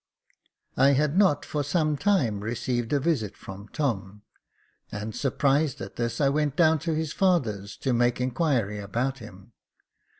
" I had not, for some time, received a visit from Tom; and, surprised at this, I went down to his father's, to make inquiry about him.